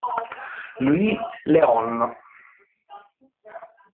Luis León